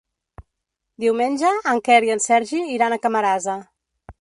Diumenge en Quer i en Sergi iran a Camarasa.